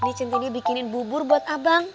ini centini bikinin bubur buat abang